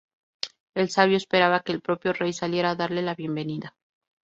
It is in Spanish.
El sabio esperaba que el propio rey saliera a darle la bienvenida.